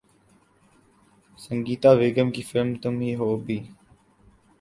سنگیتا بیگم کی فلم ’تم ہی ہو‘ بھی